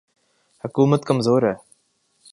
حکومت کمزور ہے۔